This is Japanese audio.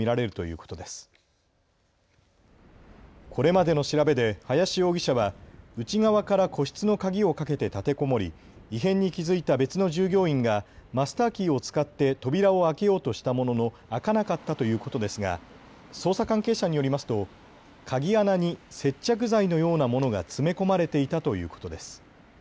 これまでの調べで林容疑者は内側から個室の鍵をかけて立てこもり異変に気付いた別の従業員がマスターキーを使って扉を開けようとしたものの開かなかったということですが捜査関係者によりますと鍵穴に接着剤のようなものが詰め込まれていたということです。